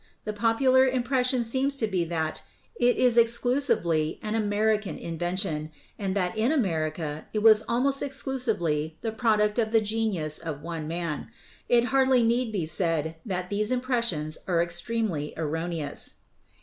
The popu lar impression seems to be that it. is exclusively an Ameri can invention, and that in America it was almost exclu sively the product of the genius of one man. It hardly need be said that these impressions are extremely erro neous.